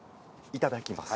いただきます。